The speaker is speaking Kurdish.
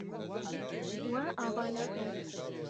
We ava nekir.